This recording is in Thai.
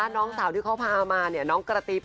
น้องสาวที่เขาพามาน้องกระติ๊บ